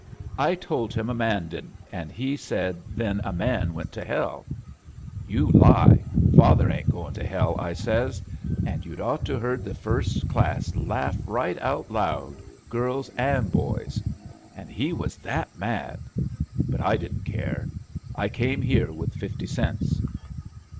I told him a man didn't, an' he said then a man went to helL *Yoa lie; father ain't going to hell,* I says, and you'd ought to beard the first class laugh right out loud, girls an' boys. An' he was that mad I But I didn't care. I came here iirith fifty cents."